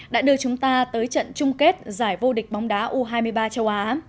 đã đưa chúng ta tới trận chung kết giải vô địch bóng đá u hai mươi ba châu á